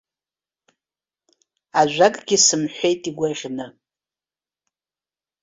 Ажәакгьы сымҳәеит игәаӷьы.